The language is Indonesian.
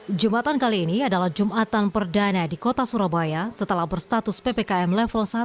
hai jumatan kali ini adalah jumatan perdana di kota surabaya setelah berstatus ppkm level